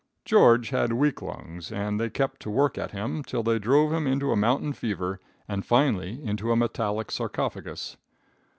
"George had weak lungs, and they kept to work at him till they drove him into a mountain fever, and finally into a metallic sarcophagus.